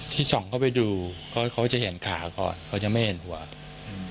ที่ส่องเข้าไปดูเขาเขาจะเห็นขาก่อนเขาจะไม่เห็นหัวอืม